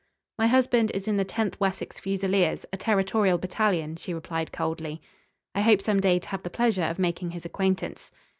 "My husband is in the 10th Wessex Fusiliers, a Territorial battalion," she replied coldly. "I hope some day to have the pleasure of making his acquaintance."